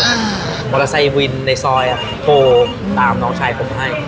มอเตอร์ไซค์วินในซอยอ่ะโทรตามน้องชายผมให้